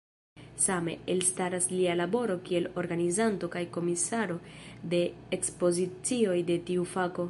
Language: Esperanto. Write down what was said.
Same, elstaras lia laboro kiel organizanto kaj komisaro de ekspozicioj de tiu fako.